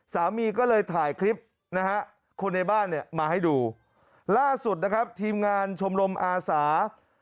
สามีก็เลยถ่ายคลิปนะฮะคนในบ้านเนี่ยมาให้ดูล่าสุดนะครับทีมงานชมรมอาสา